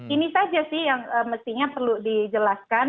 ini saja sih yang mestinya perlu dijelaskan